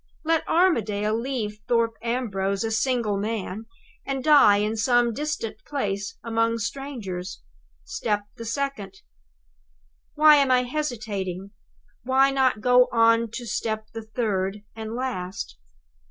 Let Armadale leave Thorpe Ambrose a single man, and die in some distant place among strangers step the second! "Why am I hesitating? Why not go on to step the third, and last?